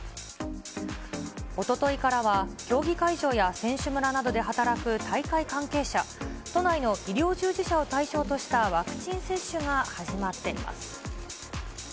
おとといからは競技会場や選手村などで働く大会関係者、都内の医療従事者を対象としたワクチン接種が始まっています。